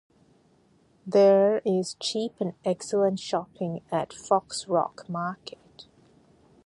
There is cheap and excellent shopping at Foxrock market.